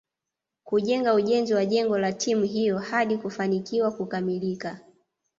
kujenga ujenzi wa jengo la timu hiyo hadi kufanikiwa kukamilika